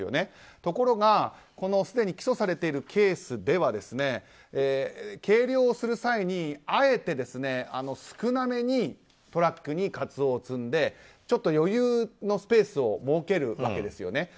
ところがすでに起訴されているケースでは計量をする際に、あえて少なめにトラックにカツオを積んでちょっと余裕のスペースを設けるわけですよね。